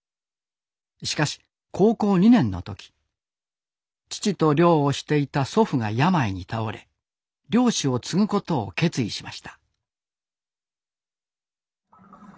しかし高校２年の時父と漁をしていた祖父が病に倒れ漁師を継ぐことを決意しました。